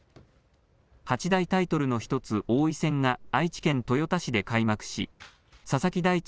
八大タイトルの１つ、王位戦が愛知県豊田市で開幕し佐々木大地